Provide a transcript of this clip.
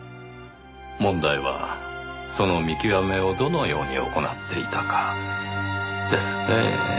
問題はその見極めをどのように行っていたかですねぇ。